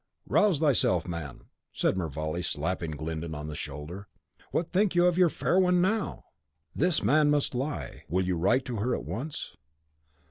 "Rouse thyself, man!" said Mervale, slapping Glyndon on the shoulder. "What think you of your fair one now?" "This man must lie." "Will you write to her at once?"